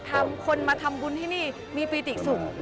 คนมาทำบุญที่นี่มีปีติสูง